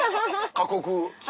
過酷。